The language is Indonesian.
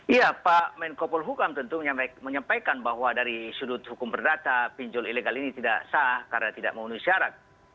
iya pak menko polhukam tentu menyampaikan bahwa dari sudut hukum berdata pinjol ilegal ini tidak sah karena tidak memenuhi syarat